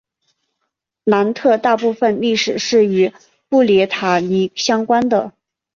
南特大部分历史是与布列塔尼相关的。